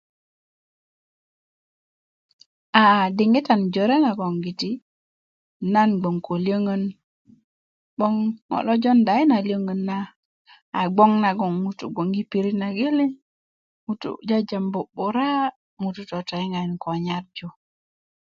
aa diŋitan jore nagon giti nan gboŋ ko löyöŋön 'boŋ ŋo lo jonda yi na löyöŋön na a gboŋ nagon ŋutu' gboŋ yi pirit na geleŋ ŋutu' jajambu 'bura ŋutu' totoyiŋakin ko nyarji